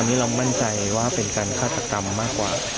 อันนี้เรามั่นใจว่าเป็นการฆาตกรรมมากกว่า